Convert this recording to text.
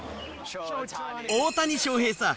大谷翔平さ。